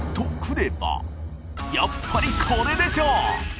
やっぱりこれでしょ！